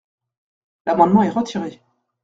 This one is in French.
L’amendement est retiré.